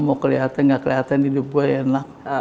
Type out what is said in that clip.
mau keliatan gak keliatan hidup gue enak